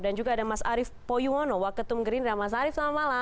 dan juga ada mas arief poyuwono waketum gerindra mas arief selamat malam